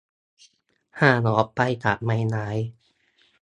ห่างออกไปจากใบไม้